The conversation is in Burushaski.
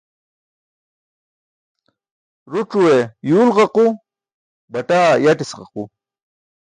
Rucuwe yuwl ġuqu, bataaa yatis ġuqu.